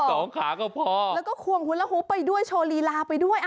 แล้วก็หวังหวังหูล่าฮูบไปด้วยโชเรียลาไปด้วย